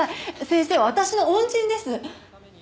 先生は私の恩人です。